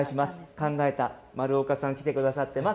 考えた丸岡さん、来てくださっています。